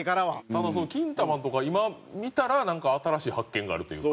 ただその『キンタマン』とか今見たらなんか新しい発見があるというか。